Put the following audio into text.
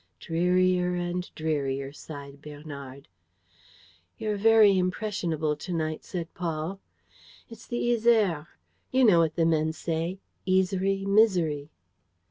"Drearier and drearier," sighed Bernard. "You're very impressionable to night," said Paul. "It's the Yser. You know what the men say: 'Yysery, misery!'"